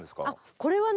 これはね